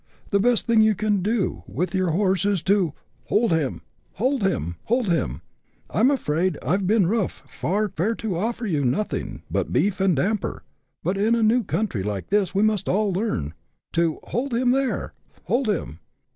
The best thing you can do with your horse is to — Hold him ! hold him ! hold him !— I 'm afraid I 've but rough fare to offer you, nothing but beef and damper ; but in a new country like this we must all learn to — Hold him there ! hold him